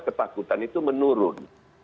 ketakutan itu menurun